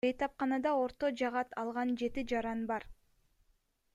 Бейтапканада орто жарат алган жети жаран бар.